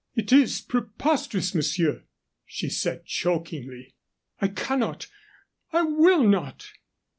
"It is preposterous, monsieur!" she said, chokingly. "I cannot! I will not!"